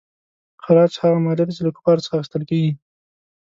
خراج هغه مالیه ده چې له کفارو څخه اخیستل کیږي.